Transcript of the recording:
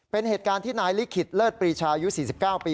เป็นเหตุการณ์ที่นายลิขิตเลิศปรีชายุ๔๙ปี